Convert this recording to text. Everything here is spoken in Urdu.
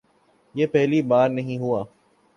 یہ پہلی بار نہیں ہوا۔